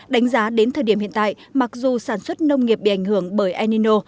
đánh giá đến thời điểm hiện tại mặc dù sản xuất nông nghiệp bị ảnh hưởng bởi enino